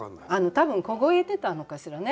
多分凍えてたのかしらね